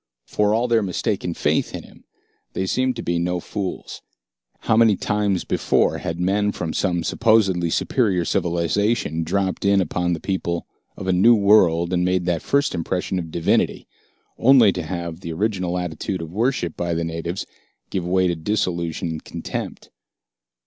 For all their mistaken faith in him, they seemed to be no fools. How many times before had men from some supposedly superior civilization dropped in upon the people of a new world and made that first impression of divinity, only to have the original attitude of worship by the natives give way to disillusion and contempt?